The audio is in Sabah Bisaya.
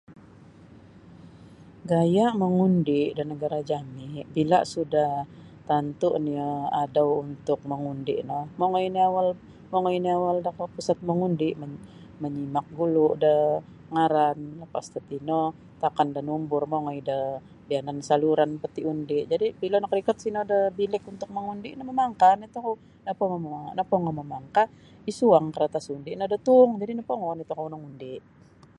Gaya' mangundi' da nagara' jami' bila sudah tantu' nio adau untuk mangundi' no mongoi nio awal mongoi nio awal da kuo pusat mangundi manu manyimak gulu da ngaran lapas tatino takan da numbur mongoi da biyanan saluran peti undi' jadi' bila nakarikot sino da bilik untuk mangundi no mamangkah oni' tokou nopongoh mamangkah isuang karatas undi' no da tuung jadi' nopongo nio tokou nangundi'